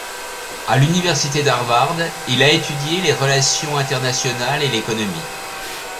À l’université d’Harvard, il a étudié les relations internationales et l’économie.